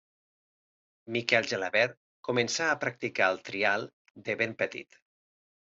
Miquel Gelabert començà a practicar el trial de ben petit.